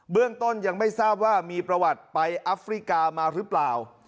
เรื่องต้นยังไม่ทราบว่ามีประวัติไปอัฟริกามาหรือเปล่า